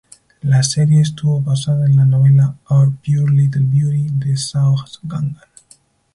La serie estuvo basada en la novela "Our Pure Little Beauty" de Zhao Gangan.